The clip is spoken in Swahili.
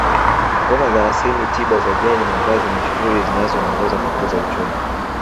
Ngoma za asili tiba za jadi mavazi ni shughuli zinazoongoza kukuza uchumi